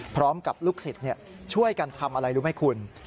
พร้อมกับลูกศิษย์ช่วยกันทำอะไรรู้ไหมคุณ